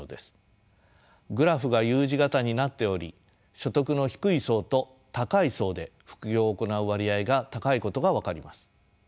グラフがＵ字型になっており所得の低い層と高い層で副業を行う割合が高いことが分かります。